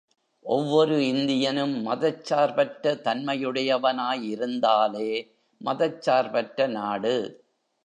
ஒவ்வொரு இந்தியனும் மதச் சார்பற்ற தன்மையுடையவனாய் இருந்தாலே மதச் சார்பற்ற நாடு.